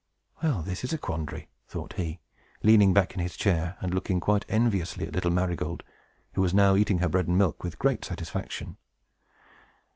"Well, this is a quandary!" thought he, leaning back in his chair, and looking quite enviously at little Marygold, who was now eating her bread and milk with great satisfaction.